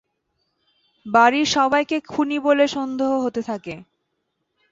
বাড়ির সবাইকে খুনী বলে সন্দেহ হতে থাকে।